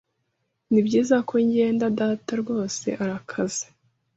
Nibyiza ko ngenda. Data rwose arakaze.